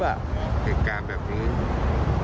เหตุการณ์แบบนี้